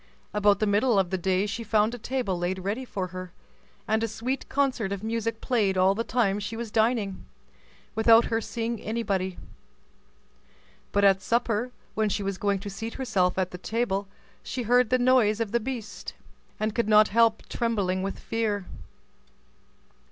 About the middle of the day she found a table laid ready for her, and a sweet concert of music played all the time she was dining, without her seeing anybody. But at supper, when she was going to seat herself at table, she heard the noise of the beast, and could not help trembling with fear.